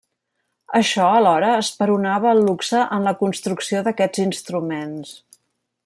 Això, alhora, esperonava el luxe en la construcció d'aquests instruments.